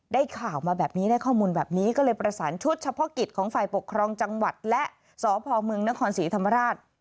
ได้ข่าวมาแบบนี้ได้ข้อมูลแบบนี้ก็เลยประสานชุดเฉพาะกิจของฝ่ายปกครองจังหวัดและสพมนครศรีธรรมราช